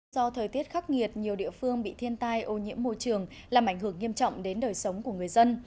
do thời tiết khắc nghiệt nhiều địa phương bị thiên tai ô nhiễm môi trường làm ảnh hưởng nghiêm trọng đến đời sống của người dân